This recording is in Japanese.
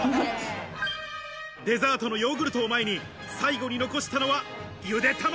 デザートのヨーグルトを前に最後に残したのはゆで卵。